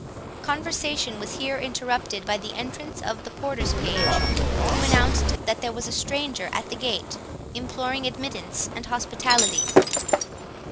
Conversation was here interrupted by the entrance of the porter's page, who announced that there was a stranger at the gate, imploring admittance and hospitality.